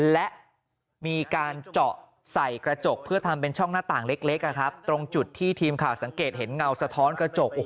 และมีการเจาะใส่กระจกเพื่อทำเป็นช่องหน้าต่างเล็กตรงจุดที่ทีมข่าวสังเกตเห็นเงาสะท้อนกระจก